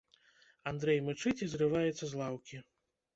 Андрэй мычыць і зрываецца з лаўкі.